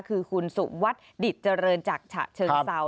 คือคุณสุวัตดิจเจริญจากเฉิงเศร้า